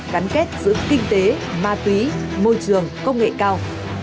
gắn kết giữa kinh tế ma túy môi trường công nghệ cao